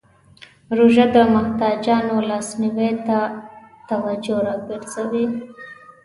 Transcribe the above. روژه د محتاجانو لاسنیوی ته توجه راګرځوي.